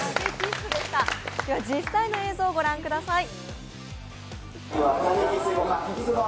実際の映像をご覧ください。